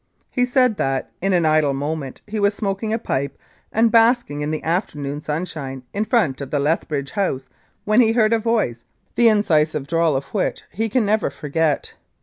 He said that, in an idle moment, he was smoking a pipe and basking in the afternoon sunshine in front of the Lethbridge House when he heard a voice, the incisive drawl of which he can never forget.